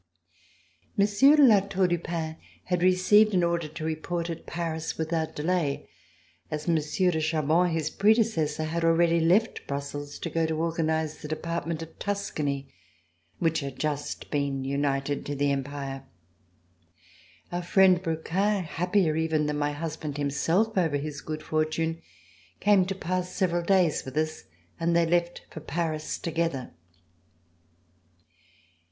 Monsieur de La Tour du Pin had received an order to report at Paris without delay, as Monsieur de Chaban, his predecessor, had already left Brussels to go to organize the department of Tuscany, which had just been united to the Empire. Our friend, Brouquens, happier even than m.y husband himself over his good fortune, came to pass several days with us, and they left for Paris together.